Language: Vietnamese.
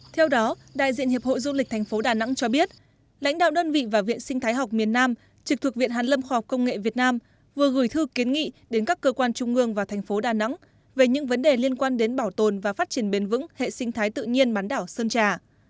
theo đó đại diện hiệp hội du lịch thành phố đà nẵng cho biết lãnh đạo đơn vị và viện sinh thái học miền nam trực thuộc viện hàn lâm khoa học công nghệ việt nam vừa gửi thư kiến nghị đến các cơ quan trung ương và thành phố đà nẵng về những vấn đề liên quan đến bảo tồn và phát triển bền vững hệ sinh thái tự nhiên bán đảo sơn trà